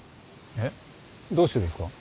えっどうしてですか？